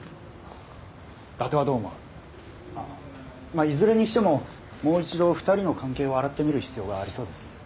まあいずれにしてももう一度２人の関係を洗ってみる必要がありそうですね。